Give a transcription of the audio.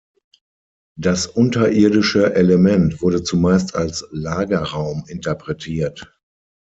Das unterirdische Element wurde zumeist als Lagerraum interpretiert.